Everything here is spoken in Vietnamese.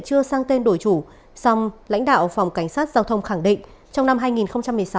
chưa sang tên đổi chủ song lãnh đạo phòng cảnh sát giao thông khẳng định trong năm hai nghìn một mươi sáu